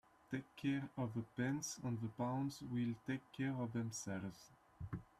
Take care of the pence and the pounds will take care of themselves.